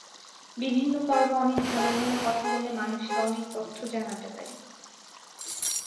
বিভিন্ন পর্বে অনেক ভালো ভালো কথা বলে মানুষকে অনেক তথ্য জানাতে পারি।